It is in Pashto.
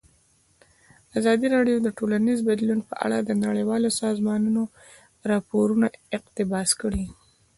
ازادي راډیو د ټولنیز بدلون په اړه د نړیوالو سازمانونو راپورونه اقتباس کړي.